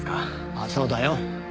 ああそうだよ。